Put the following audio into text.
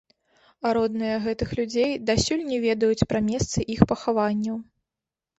Родныя гэтых людзей дасюль не ведаюць пра месцы іх пахаванняў.